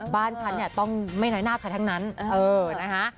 บ้านฉันเนี่ยต้องไม่น้อยหน้าใครทั้งนั้นเออนะคะ